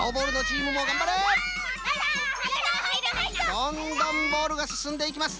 どんどんボールがすすんでいきます。